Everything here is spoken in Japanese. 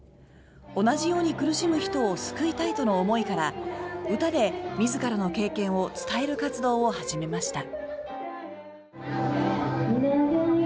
同じように苦しむ人を救いたいとの思いから歌で自らの経験を伝える活動を始めました。